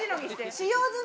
使用済み？